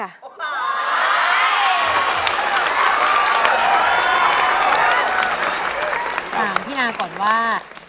ปรากฏค้าพี่นาก่อนว่า